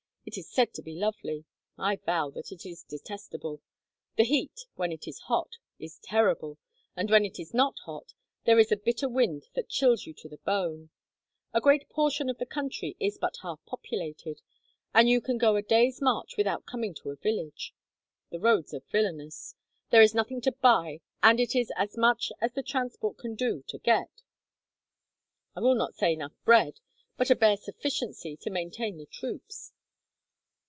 It is said to be lovely. I vow that it is detestable. The heat, when it is hot, is terrible, and when it is not hot, there is a bitter wind that chills you to the bone. A great portion of the country is but half populated, and you can go a day's march without coming to a village. The roads are villainous. There is nothing to buy, and it is as much as the transport can do to get, I will not say enough bread, but a bare sufficiency to maintain the troops.